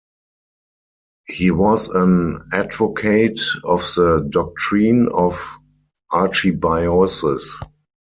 He was an advocate of the doctrine of archebiosis.